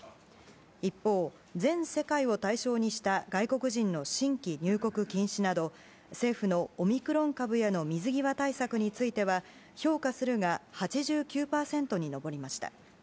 一方、全世界を対象にした外国人の新規入国禁止など政府のオミクロン株への水際対策については評価するが８９％に上りました。